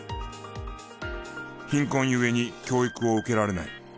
貧困故に教育を受けられない。